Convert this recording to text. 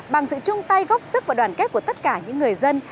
bằng sự chung tay góp sức và đoàn kết của tất cả những người dân